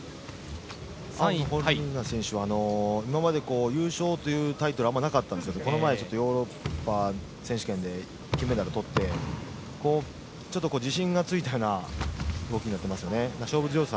ホルーナ選手は今まで優勝というタイトルはあまりなかったんですがこの前ヨーロッパ選手権で金メダルを取ってちょっと自信がついたような動きになっていますね。